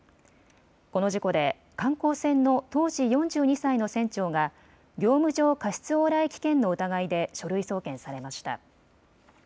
この事故で観光船の当時４２歳の船長が業務上過失往来危険の疑いで書類送検されました。